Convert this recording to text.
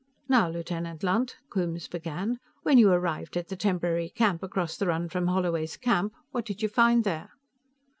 "Now, Lieutenant Lunt," Coombes began, "when you arrived at the temporary camp across the run from Holloway's camp, what did you find there?"